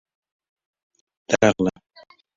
_درغله.